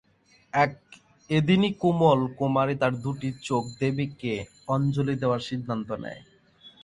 এদিনই কোমল কুমারী তার দুটি চোখ দেবীকে অঞ্জলি দেওয়ার সিদ্ধান্ত নেয়।